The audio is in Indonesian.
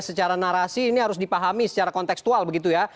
secara narasi ini harus dipahami secara konteksual begitu ya